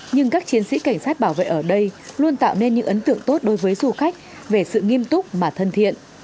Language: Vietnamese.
nhưng các chiến sĩ cảnh sát bảo vệ ở đây luôn tạo nên những ấn tượng tốt đối với du khách về sự nghiêm túc mà thân thiện